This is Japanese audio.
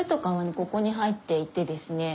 ここに入っていてですね